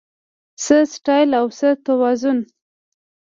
څه سټایل او څه توازن